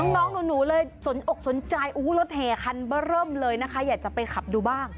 น้องหนูเลยสนอกสนใจรถแห่คันเบอร์เริ่มเลยนะคะอยากจะไปขับดูบ้าง